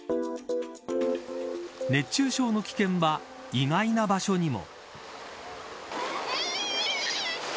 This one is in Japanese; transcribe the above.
熱中症の危険は意外な場所にも。